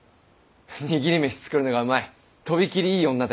握り飯作るのがうまいとびきりいい女でね。